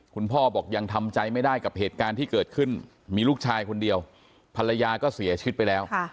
พ่อบอกยังทำใจไม่ได้กับเหตุการณ์ที่เกิดขึ้นมีลูกชายคนเดียวภรรยาก็เสียชีวิตไปแล้ว